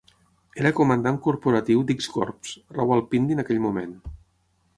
Era Comandant Corporatiu d'X Corps, Rawalpindi en aquell moment.